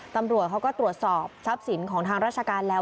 ตำรวจเขาก็ตรวจสอบทรัพย์สินของทางราชการแล้ว